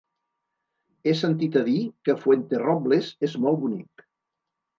He sentit a dir que Fuenterrobles és molt bonic.